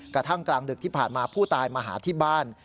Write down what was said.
กลางดึกที่ผ่านมาผู้ตายมาหาที่บ้าน